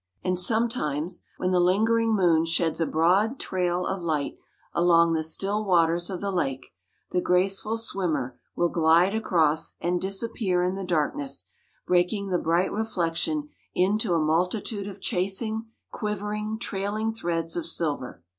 And sometimes, when the lingering moon sheds a broad trail of light along the still waters of the lake, the graceful swimmer will glide across and disappear in the darkness, breaking the bright reflection into a multitude of chasing, quivering, trailing threads of silver.